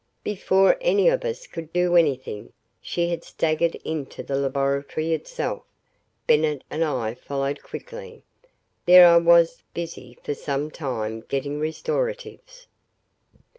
Before any of us could do anything, she had staggered into the laboratory itself, Bennett and I following quickly. There I was busy for some time getting restoratives.